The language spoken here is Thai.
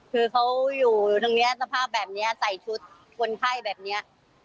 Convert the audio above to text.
คือเขาอยู่ตรงนี้สภาพแบบนี้ใส่ชุดคนไข้แบบนี้